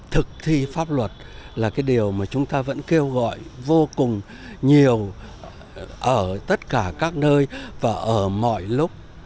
thực thi pháp luật là cái điều mà chúng ta vẫn kêu gọi vô cùng nhiều ở tất cả các nơi và ở mọi lúc